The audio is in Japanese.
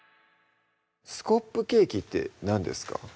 「スコップケーキ」って何ですか？